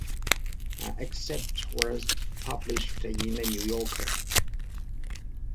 An excerpt was published in The New Yorker.